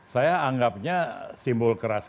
saya anggapnya simbol kerasnya